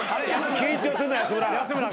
緊張すんな安村。